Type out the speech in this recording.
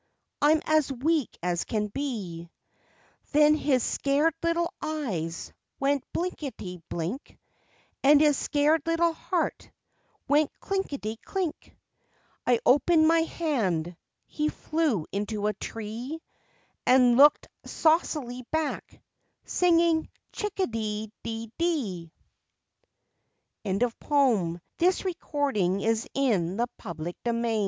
I'm as weak as can be," Then his scared little eyes Went blinkety blink, And his scared little heart Went clinkety clink, I opened my hand, He flew into a tree, And looked saucily back, Singing, Chickadee dee dee. LIFE WAVES 53 SINCE THE WORLD BEGAN "Ah, little b